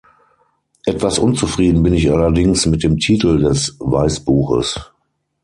Etwas unzufrieden bin ich allerdings mit dem Titel des Weißbuches.